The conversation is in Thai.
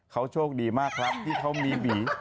เขาโชคดีมากครับที่เขามีหวี